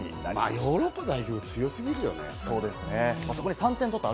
ヨーロッパ代表、強すぎるよね。